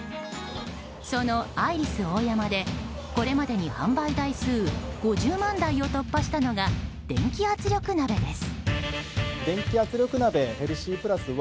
そのアイリスオーヤマでこれまでに販売台数５０万台を突破したのが電気圧力鍋です。